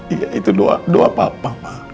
iya itu doa papa